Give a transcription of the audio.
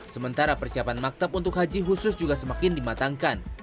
sementara persiapan maktab untuk haji khusus juga semakin dimatangkan